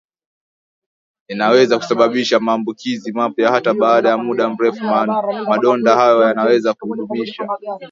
yanaweza kusababisha maambukizi mapya hata baada ya muda mrefu Madonda hayo yanaweza kudumisha